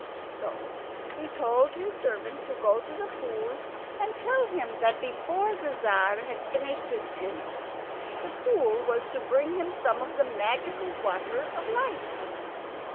So he told his servant to go to the Fool and tell him that before the Tzar had finished his dinner the Fool was to bring him some of the magical water of life.